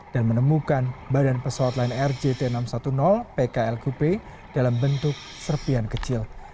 dan menemukan badan pesawat lain rgt enam ratus sepuluh pklqp dalam bentuk serpian kecil